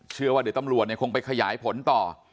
เชื่อว่าเดี๋ยวตำรวจเนี่ยคงไปขยายผลต่อ